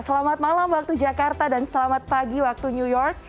selamat malam waktu jakarta dan selamat pagi waktu new york